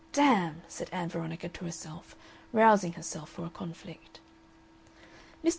"Damn!" said Ann Veronica to herself, rousing herself for a conflict. Mr.